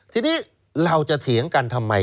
ทีนี้เราจะเถียงกันทำไม